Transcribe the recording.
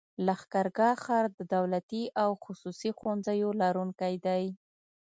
لښکرګاه ښار د دولتي او خصوصي ښوونځيو لرونکی دی.